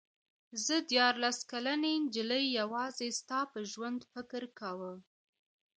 زه دیارلس کلنې نجلۍ یوازې ستا په ژوند فکر کاوه.